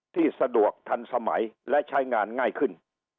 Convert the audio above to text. ที่สะดวกทันสมัยและใช้งานง่ายขึ้น